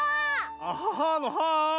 アハハのハー！